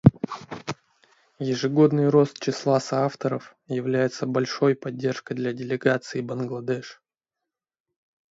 Ежегодный рост числа соавторов является большой поддержкой для делегации Бангладеш.